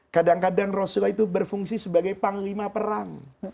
kadang kadang rasulullah itu berfungsi sebagai panglima perang